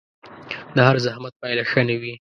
د هر زحمت پايله ښه نه وي